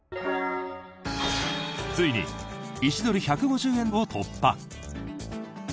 ついに１ドル＝１５０円を突破。